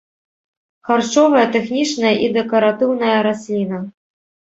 Харчовая, тэхнічная і дэкаратыўная расліна.